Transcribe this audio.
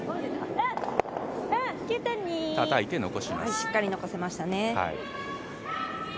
しっかり残せましたね。